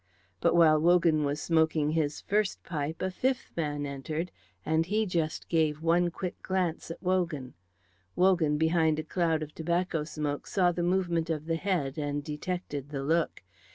But while Wogan was smoking his first pipe a fifth man entered, and he just gave one quick glance at Wogan. Wogan behind a cloud of tobacco smoke saw the movement of the head and detected the look.